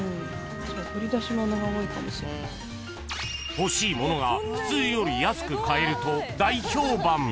［欲しいものが普通より安く買えると大評判］